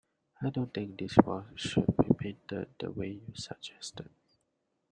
I don't think this wall should be painted the way you suggested.